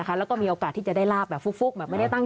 ก็เลยมีโอกาสว่าอาจจะได้ลาบมาแบบพลุกด้วยสำหรับราศีสิง